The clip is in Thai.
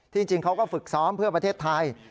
จริงเขาก็ฝึกซ้อมเพื่อประเทศไทย